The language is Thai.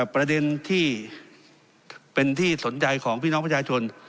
ประเด็นที่เป็นที่สนใจของพี่น้องประชาชน